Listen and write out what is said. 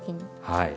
はい。